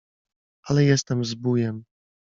ale jestem zbójem.